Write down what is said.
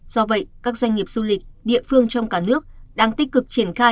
do vậy các doanh nghiệp du lịch địa phương trong cả nước đang tích cực triển khai